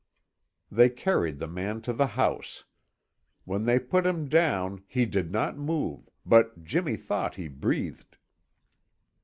They carried the man to the house. When they put him down he did not move, but Jimmy thought he breathed.